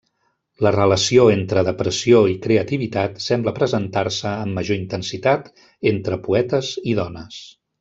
La relació entre depressió i creativitat sembla presentar-se amb major intensitat entre poetes i dones.